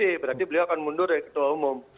iya berarti beliau akan mundur dari ketua umum